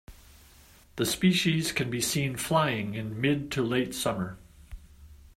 The species can be seen flying in mid- to late summer.